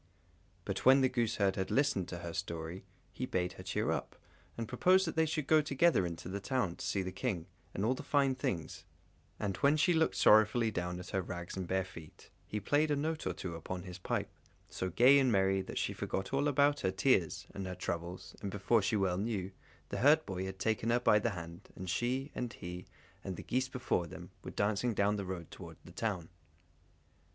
But when the gooseherd had listened to her story, he bade her cheer up, and proposed that they should go together into the town to see the King, and all the fine things; and when she looked sorrowfully down at her rags and bare feet, he played a note or two upon his pipe, so gay and merry, that she forgot all about her tears and her troubles, and before she well knew, the herdboy had taken her by the hand, and she, and he, and the geese before them, were dancing down the road towards the town.